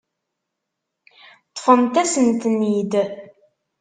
Ṭṭfent-asen-ten-id.